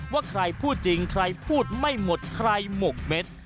ว่าใครพูดจริงใครพูดไม่หมดใครหมกเม็ด